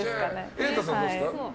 瑛太さん、どうですか？